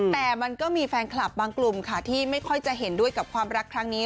แต่มันก็มีแฟนคลับบางกลุ่มค่ะที่ไม่ค่อยจะเห็นด้วยกับความรักครั้งนี้